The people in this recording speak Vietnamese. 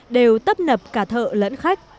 đều tấp nập cả thợ lẫn khách